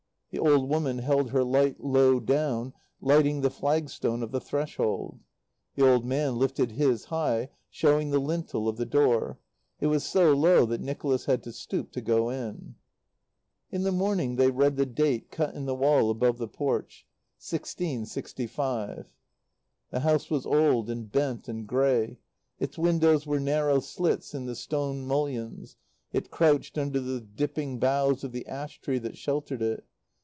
The old woman held her light low down, lighting the flagstone of the threshold. The old man lifted his high, showing the lintel of the door. It was so low that Nicholas had to stoop to go in. In the morning they read the date cut in the wall above the porch: 1665. The house was old and bent and grey. Its windows were narrow slits in the stone mullions. It crouched under the dipping boughs of the ash tree that sheltered it.